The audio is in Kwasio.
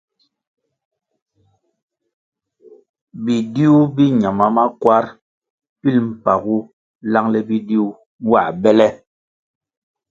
Bidiu bi ñama makwar pilʼ mpagu langʼle bidiu nwā bele.